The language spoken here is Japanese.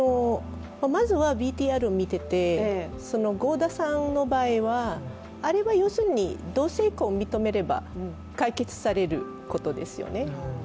まずは、ＶＴＲを見ていて、合田さんの場合はあれは要するに同性婚を認めれば解決されることですよね。